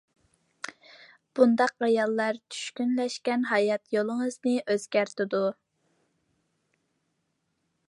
بۇنداق ئاياللار چۈشكۈنلەشكەن ھايات يولىڭىزنى ئۆزگەرتىدۇ.